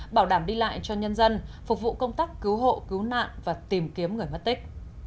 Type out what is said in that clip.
bảo đảm đi lại cho nhân dân phục vụ công tác cứu hộ cứu nạn và tìm kiếm người mất tích